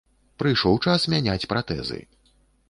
Прыйшоў час мяняць пратэзы.